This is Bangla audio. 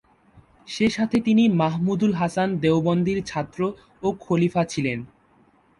সেসাথে তিনি মাহমুদুল হাসান দেওবন্দির ছাত্র ও খলিফা ছিলেন।